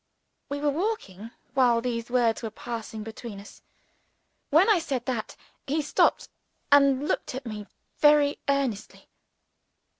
We were walking, while these words were passing between us. When I said that, he stopped, and looked at me very earnestly.